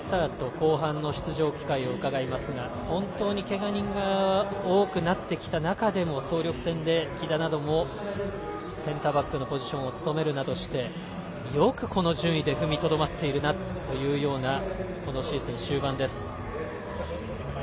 後半の出場機会を伺いますが、本当にけが人が多くなってきた中での走力戦で喜田などもセンターバックのポジションを務めるなどして、よくこの順位で踏みとどまっているなという終盤です。